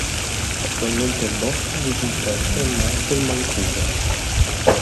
Attualmente il boss risulta essere Michael Mancuso.